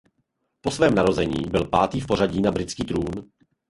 Po svém narození byl pátý v pořadí na britský trůn.